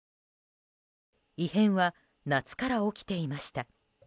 異変は夏から起きていました。